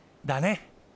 だね！